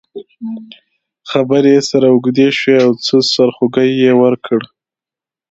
خبرې یې سره اوږدې شوې او یو څه سرخوږی یې ورکړ.